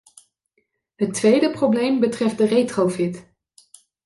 Het tweede probleem betreft de retrofit.